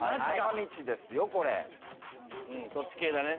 そっち系だね。